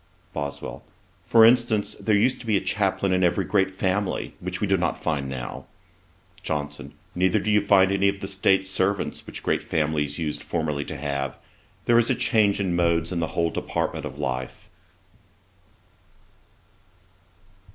BOSWELL. 'For instance, there used to be a chaplain in every great family, which we do not find now.' JOHNSON. 'Neither do you find any of the state servants which great families used formerly to have. There is a change of modes in the whole department of life.'